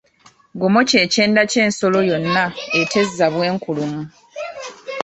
Gomo kye kyenda ky’ensolo yonna etezza bw’enkulumu.